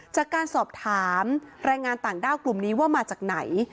จากการสอบถามแรงงานต่างด้าวกลุ่มนี้ว่ามาจากไหน